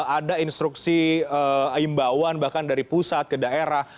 ada instruksi imbauan bahkan dari pusat ke daerah